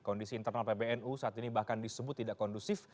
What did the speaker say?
kondisi internal pbnu saat ini bahkan disebut tidak kondusif